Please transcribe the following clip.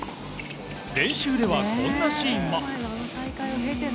練習では、こんなシーンも。